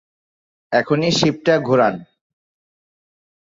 এক্ষুনি শিপটা ঘোরান!